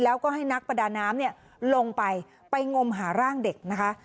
แล้วก็ให้นักประดาน้ำเนี่ยลงไปไปงมหาร่างเด็กนะคะ